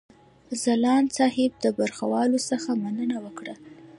ځلاند صاحب د برخوالو څخه مننه وکړه.